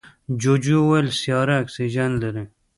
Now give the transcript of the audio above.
جوجو وویل سیاره اکسیجن لري.